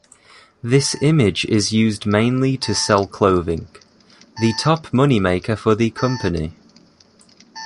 This image is used mainly to sell clothing, the top moneymaker for the company.